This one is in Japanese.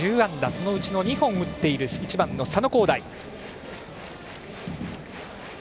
そのうちの２本を打っている１番の佐野皓大。